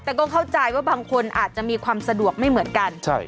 แต่ก็เข้าใจว่าบางคนอาจจะมีความสะดวกไม่เหมือนกัน